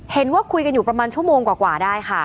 เห็นว่าคุยกันอยู่ประมาณชั่วโมงกว่าได้ค่ะ